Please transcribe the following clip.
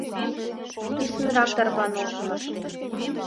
Писынрак тарванылшаш!